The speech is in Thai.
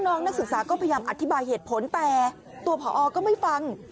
นักศึกษาก็พยายามอธิบายเหตุผลแต่ตัวผอก็ไม่ฟัง